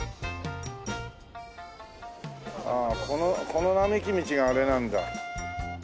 ああこの並木道があれなんだ。